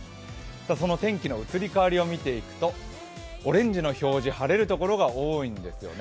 その天気の移り変わりを見ていくとオレンジの表示晴れる所が多いんですよね。